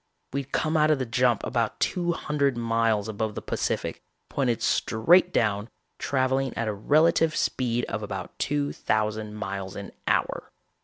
We'd come out of the jump about two hundred miles above the Pacific, pointed straight down, traveling at a relative speed of about two thousand miles an hour.